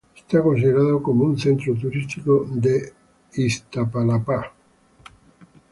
Es considerado como un centro turístico de Iztapalapa.